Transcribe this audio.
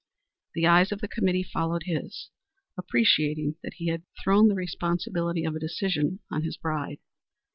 The eyes of the committee followed his, appreciating that he had thrown the responsibility of a decision on his bride.